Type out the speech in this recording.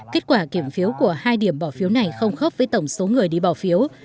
kết quả kiểm phiếu của hai điểm bầu phiếu này không khốc với tổng số người đi bầu phiếu